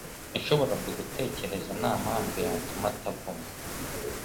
yashoboraga gutekereza ntampamvu yatuma ataguma.